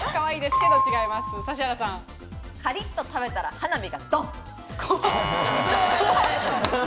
カリッと食べたら花火がドン！